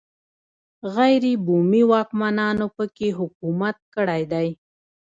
غیر بومي واکمنانو په کې حکومت کړی دی.